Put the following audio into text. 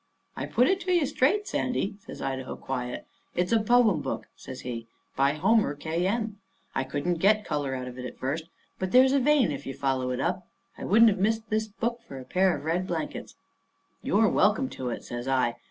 "I put it to you straight, Sandy," says Idaho, quiet. "It's a poem book," says he, "by Homer K. M. I couldn't get colour out of it at first, but there's a vein if you follow it up. I wouldn't have missed this book for a pair of red blankets." "You're welcome to it," says I.